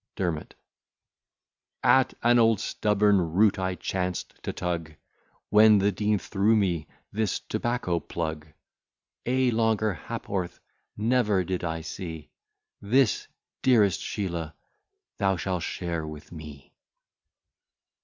DERMOT At an old stubborn root I chanced to tug, When the Dean threw me this tobacco plug; A longer ha'p'orth never did I see; This, dearest Sheelah, thou shall share with me.